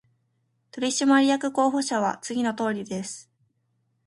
取締役候補者は次のとおりです